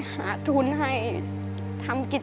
เพลงที่สองเพลงมาครับ